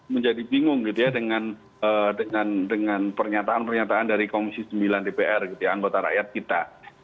menjadi bingung gitu ya dengan pernyataan pernyataan dari komisi sembilan dpr gitu ya anggota rakyat kita